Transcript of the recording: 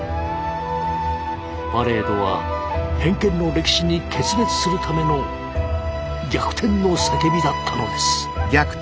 パレードは偏見の歴史に決別するための逆転の叫びだったのです。